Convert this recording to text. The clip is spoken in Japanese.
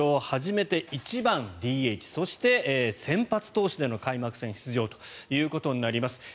初めて１番ＤＨそして先発投手での開幕戦出場ということになります。